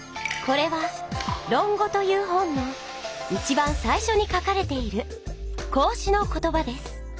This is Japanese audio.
これは「論語」という本のいちばんさいしょに書かれている孔子の言葉です。